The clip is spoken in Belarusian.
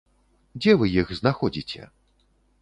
Дзе вы іх знаходзіце?